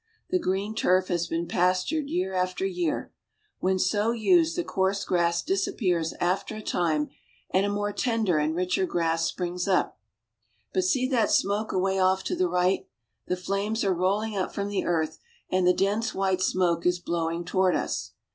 The green turf has been pastured year after year. When so used the coarse grass disappears after a time, and a more tender and a richer grass springs up. But see that smoke away off to the right. The flames are rolHng up from the earth, and the dense white smoke is blowing toward us.